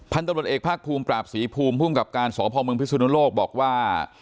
พันธนตรวจเอกภาคภูมิปราบศรีภูมิภูมิกับการสอบภองเมืองพฤศนโลกบอกว่า